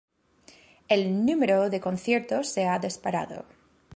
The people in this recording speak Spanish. el número de conciertos se ha disparado